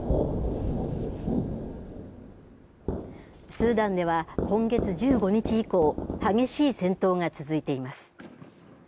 スーダンでは今月１５日以降激しい戦闘が続いています。